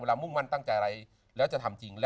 มุ่งมั่นตั้งใจอะไรแล้วจะทำจริง